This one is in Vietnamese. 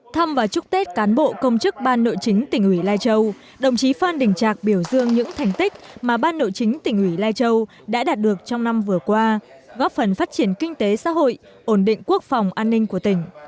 thăm và chúc tết cán bộ công chức ban nội chính tỉnh ủy lai châu đồng chí phan đình trạc biểu dương những thành tích mà ban nội chính tỉnh ủy lai châu đã đạt được trong năm vừa qua góp phần phát triển kinh tế xã hội ổn định quốc phòng an ninh của tỉnh